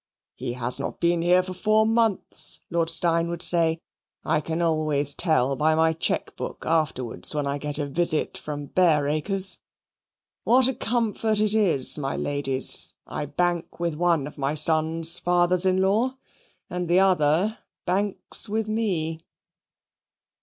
"He has not been here for four months," Lord Steyne would say. "I can always tell by my cheque book afterwards, when I get a visit from Bareacres. What a comfort it is, my ladies, I bank with one of my sons' fathers in law, and the other banks with me!"